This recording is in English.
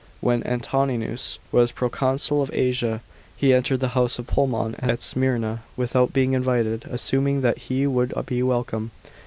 When Antoninus was proconsul of Asia, he entered the house of Polemon at Smyrna, without being invited, assuming that he would be welcome.